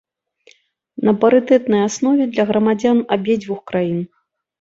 На парытэтнай аснове для грамадзян абедзвюх краін.